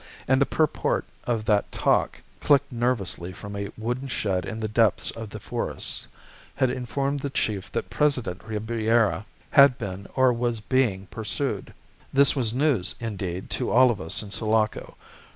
And the purport of that talk, clicked nervously from a wooden shed in the depths of the forests, had informed the chief that President Ribiera had been, or was being, pursued. This was news, indeed, to all of us in Sulaco.